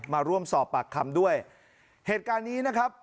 มาร่วมสอบปากคำด้วยเหตุการณ์นี้นะครับ